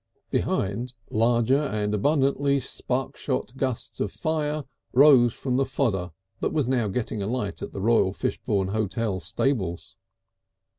Behind, larger and abundantly spark shot gusts of fire rose from the fodder that was now getting alight in the Royal Fishbourne Hotel stables.